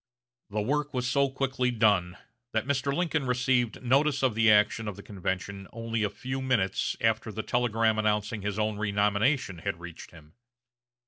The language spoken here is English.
The work was so quickly done that Mr. Lincoln received notice of the action of the convention only a few minutes after the telegram announcing his own renomination had reached him.